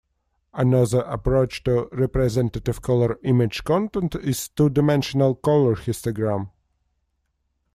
Another approach to representative color image content is two-dimensional color histogram.